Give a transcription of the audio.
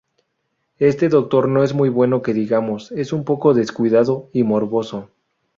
Este Doctor no es muy bueno que digamos, es un poco descuidado y morboso.